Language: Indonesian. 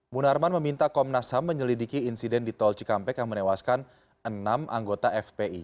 munarman meminta komnas ham menyelidiki insiden di tol cikampek yang menewaskan enam anggota fpi